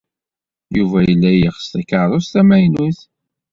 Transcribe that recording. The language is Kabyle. Yuba yella yeɣs takeṛṛust tamaynut.